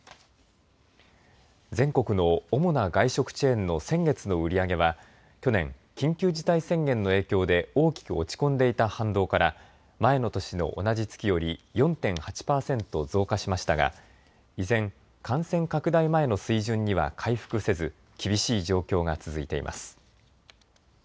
全国の主な外食チェーンの先月の売り上げは、去年、緊急事態宣言の影響で大きく落ち込んでいた反動から、前の年の同じ月より４．８％増加しましたが、依然、感染拡大前の水準には回復せず、厳しい状況が続いています。